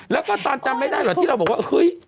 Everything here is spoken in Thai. แล้วก็ตอนจำไม่ได้เหรอที่เราบอกว่าเฮ้ย